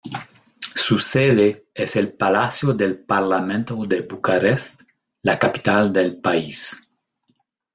Su sede es el Palacio del Parlamento de Bucarest, la capital del país.